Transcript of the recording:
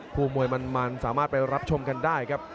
มวยมันสามารถไปรับชมกันได้ครับ